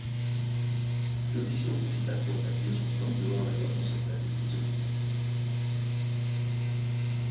Celui-ci en profita pour établir son gang de hors-la-loi dans cette vallée isolée.